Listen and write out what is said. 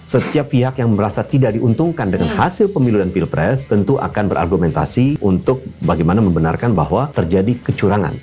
setiap pihak yang merasa tidak diuntungkan dengan hasil pemilu dan pilpres tentu akan berargumentasi untuk bagaimana membenarkan bahwa terjadi kecurangan